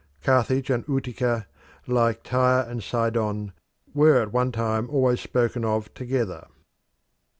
Carthage and Utica, like Tyre and Sidon, were at one time always spoken of together.